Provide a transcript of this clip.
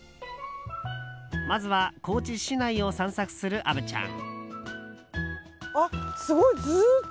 まずは、高知市内を散策する虻ちゃん。